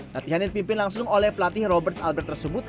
latihan yang dipimpin langsung oleh pelatih robert albert tersebut